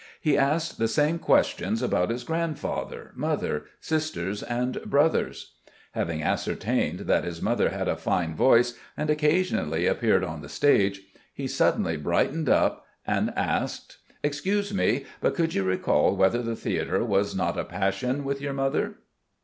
He asked the same questions about his grandfather, mother, sisters, and brothers. Having ascertained that his mother had a fine voice and occasionally appeared on the stage, he suddenly brightened up and asked: "Excuse me, but could you recall whether the theatre was not a passion with your mother?"